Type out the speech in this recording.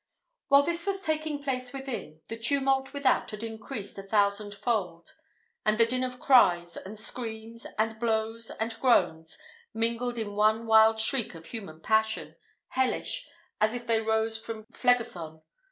While this was taking place within, the tumult without had increased a thousand fold; and the din of cries, and screams, and blows, and groans, mingled in one wild shriek of human passion, hellish, as if they rose from Phlegethon.